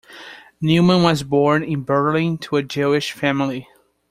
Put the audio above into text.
Neumann was born in Berlin to a Jewish family.